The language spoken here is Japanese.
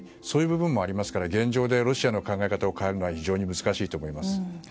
そういう部分もありますから現状でロシアの考え方を変えるのは非常に難しいと思います。